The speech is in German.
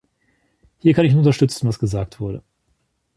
Hier kann ich nur unterstützen, was gesagt wurde.